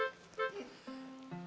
digoreng angus tuh dia